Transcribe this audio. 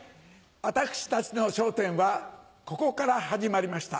私たちの『笑点』はここから始まりました。